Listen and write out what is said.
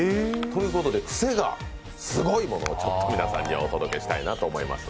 ということで、癖がすごいものを皆さんにはお届けしたいと思います。